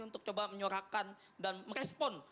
untuk menyorakan dan merespon